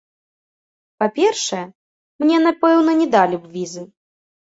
Па-першае, мне, напэўна, не далі б візы.